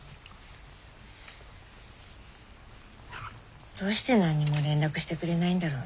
どうして何にも連絡してくれないんだろうね。